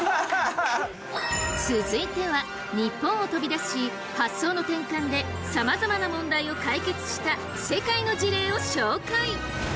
続いては日本を飛び出し発想の転換でさまざまな問題を解決した世界の事例を紹介！